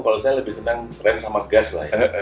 kalau saya lebih senang rem sama gas lah ya